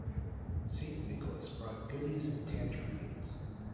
St. Nicholas brought goodies and tangerines.